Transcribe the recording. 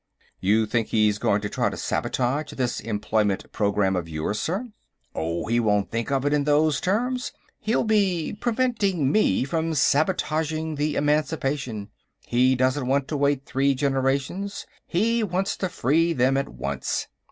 "You think he's going to try to sabotage this employment programme of yours, sir?" "Oh, he won't think of it in those terms. He'll be preventing me from sabotaging the Emancipation. He doesn't want to wait three generations; he wants to free them at once.